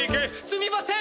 すみません！